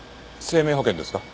生命保険ですか？